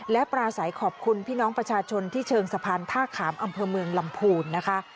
และปราศัยขอบคุณพี่น้องประชาชนที่เชิงสะพานท่าขามอำเภอเมืองลำพูนนะคะ